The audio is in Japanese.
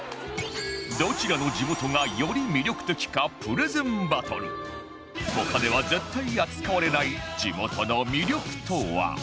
どちらの地元がより魅力的かプレゼンバトル他では絶対扱われない地元の魅力とは？